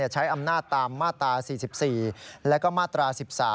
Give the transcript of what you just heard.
อย่าใช้อำนาจตามมาตรา๔๔และมาตรา๑๓